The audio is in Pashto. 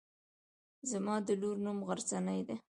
زما د لور نوم غرڅنۍ دی.